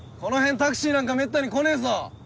タクシーなんかめったに来ねえぞ。